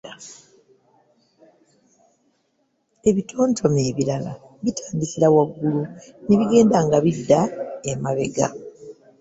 Ebitontome ebirala bitandikira waggulu ne bigenda nga bidda emabega.